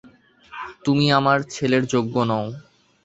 তুমি আমার ছেলের যোগ্য নও!